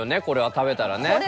これは食べたらね。